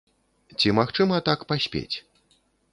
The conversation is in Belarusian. Ці магчыма так паспець?